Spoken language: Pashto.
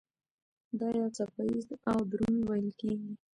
دا یو څپه ایز او دروند ویل کېږي.